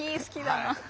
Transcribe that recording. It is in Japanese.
好きだな。